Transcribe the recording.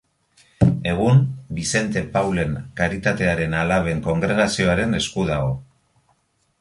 Egun Bizente Paulen Karitatearen Alaben kongregazioaren esku dago.